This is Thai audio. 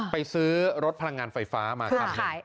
ไปซื้อรถพลังงานไฟฟ้ามาครับ